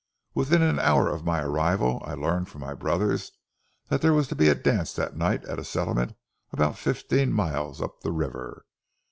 Within an hour after my arrival, I learned from my brothers that there was to be a dance that night at a settlement about fifteen miles up the river.